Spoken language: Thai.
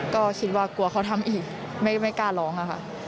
ก็คิดว่ากลัวเขาทำอีกไม่กล้าร้องค่ะ